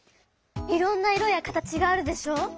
いろんな色や形があるでしょ。